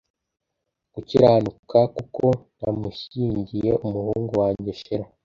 gukiranuka j kuko ntamushyingiye umuhungu wanjye Shela